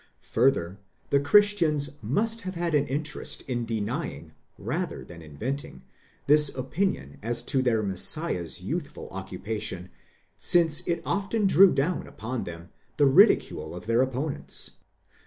Further, the Christians must ve had an interest in denying, rather than inventing, this opinion as to their Messiah's youthful occupation, since it often drew down upon them the ridicule of their opponents.